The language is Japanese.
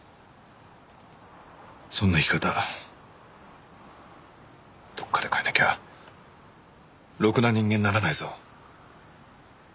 そんな生き方どこかで変えなきゃろくな人間にならないぞ。